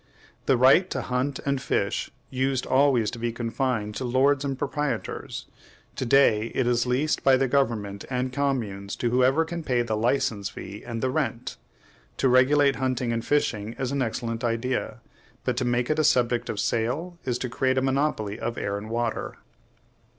The right to hunt and fish used always to be confined to lords and proprietors; to day it is leased by the government and communes to whoever can pay the license fee and the rent. To regulate hunting and fishing is an excellent idea, but to make it a subject of sale is to create a monopoly of air and water.